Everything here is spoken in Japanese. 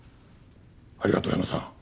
ありがとうヤマさん。